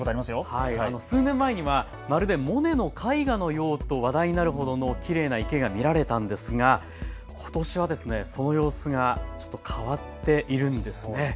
数年前にはまるでモネの絵画のようと話題になるほどのきれいな池が見られたんですがことしはその様子がちょっと変わっているんですね。